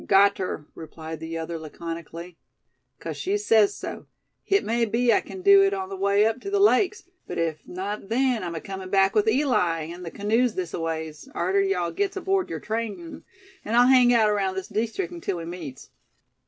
"Got ter," replied the other, laconically; "'cause she sez so. Hit may be I kin do hit on the way up to the lakes; but if not then I'm acomin' back with Eli an' the canoes thisaways, arter yuh gits aboard ther train; an' I'll hang around this deestrict till we meets.